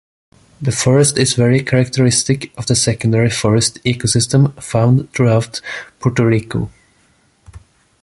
The forest is very characteristic of the secondary forest ecosystem found throughout Puerto Rico.